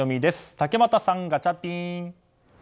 竹俣さん、ガチャピン。